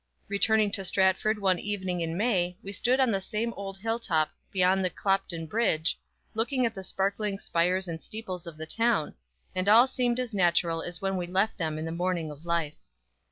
Returning to Stratford one evening in May we stood on the same old hill top beyond the Clopton Bridge, looking at the sparkling spires and steeples of the town; and all seemed as natural as when we left them in the morning of life.